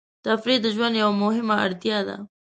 تفریح د ژوند یوه مهمه اړتیا ده.